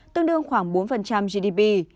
tương đương khoảng bốn gdp